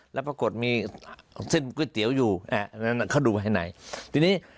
แล้วปรากฏมีเส้นก๋วยเตี๋ยวอยู่อันนั้นเขาดูภายในทีนี้